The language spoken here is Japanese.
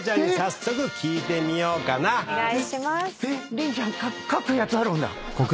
⁉凛ちゃん書くやつあるんだ。